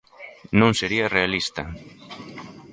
Non sería realista.